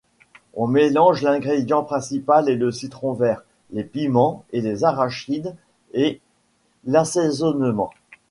On mélange l’ingrédient principal et le citron vert, les piments, les arachides et l’assaisonnement.